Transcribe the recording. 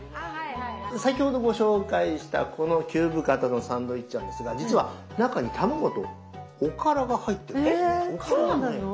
先ほどご紹介したこのキューブ型のサンドイッチなんですが実は中に卵とおからが入ってるんです。